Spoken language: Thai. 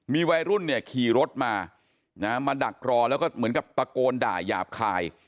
มีวัยรุ่นเนี่ยขี่รถมานะมาดักรอแล้วก็เหมือนกับตะโกนด่าหยาบคาย